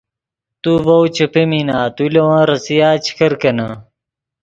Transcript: تو ڤؤ چے پیمینا تو لے ون ریسیا چے کرکینے